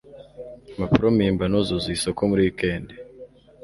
impapuro mpimbano zuzuye isoko muri wikendi